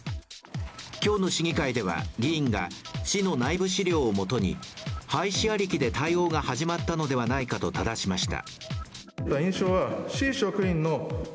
今日の市議会では、議員が市の内部資料をもとに廃止ありきで対応が始まったのではないかとただしました。